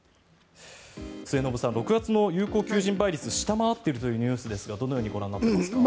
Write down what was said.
末延さん、６月の有効求人倍率下回っているというニュースですがどのようにご覧になっていますか？